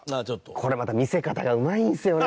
これまた見せ方がうまいんですよね。